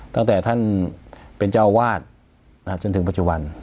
ตั้งแต่ท่านเป็นเจ้าอาวาสจนถึงปัจจุบัน